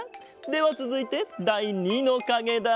ではつづいてだい２のかげだ。